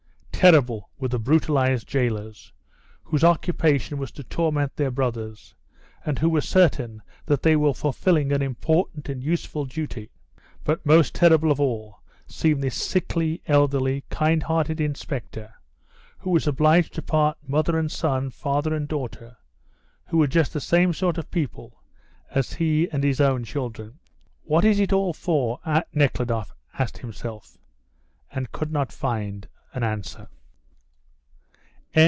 Terrible were the brutalised jailers, whose occupation is to torment their brothers, and who were certain that they were fulfilling an important and useful duty; but most terrible of all seemed this sickly, elderly, kind hearted inspector, who was obliged to part mother and son, father and daughter, who were just the same sort of people as he and his own children. "What is it all for?" Nekhludoff asked himself, and could not find an answer.